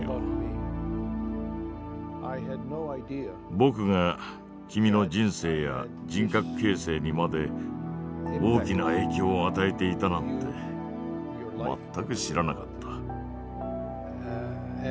僕が君の人生や人格形成にまで大きな影響を与えていたなんて全く知らなかった。